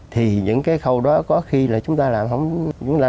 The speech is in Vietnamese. thì những cái khâu đó có khi là chúng ta làm không ra